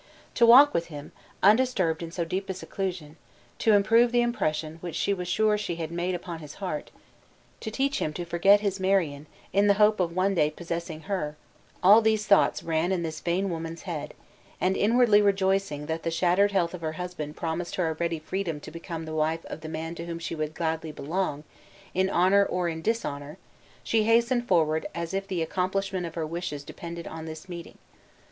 To walk with him undisturbed in so deep a seclusion; to improve the impression which she was sure she had made upon his heart; to teach him which she was sure she had made upon his heart; to teach him to forget his Marion, in the hope of one day possessing her all these thoughts ran in this vain woman's head; and, inwardly rejoicing that the shattered health of her husband promised her a ready freedom to become the wife of the man to whom she would gladly belong, in honor or in dishonor, she hastened forward as if the accomplishment of her wishes depended on this meeting.